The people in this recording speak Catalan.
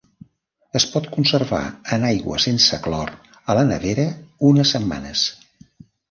Es pot conservar en aigua sense clor, a la nevera unes setmanes.